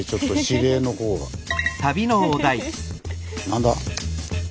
何だ？